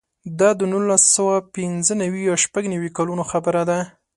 دا د نولس سوه پنځه نوې او شپږ نوې کلونو خبره ده.